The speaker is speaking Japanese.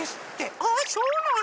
あそうなの？